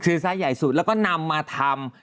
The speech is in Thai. ซ้ายใหญ่สุดแล้วก็นำมาทำ